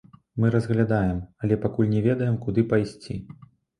Мы разглядаем, але пакуль не ведаем, куды пайсці.